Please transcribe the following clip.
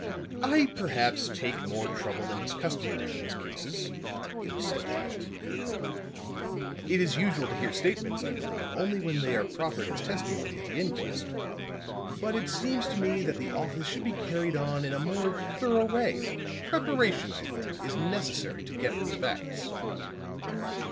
"I perhaps take more trouble than is customary in these cases," he said to Ashton Kirk. "It is usual to hear statements, I believe, only when they are proffered as testimony at the inquest. But it seems to me that the office should be carried on in a more thorough way. Preparation, I think, is necessary to get at the facts."